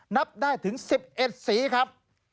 นับได้ถึง๑๑สีครับ